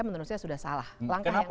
menurut saya sudah salah langkah yang